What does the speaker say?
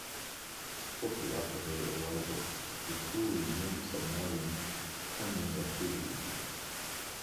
Shortly after her arrival, her crew resumed submarine tending activities.